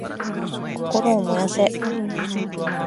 心を燃やせ！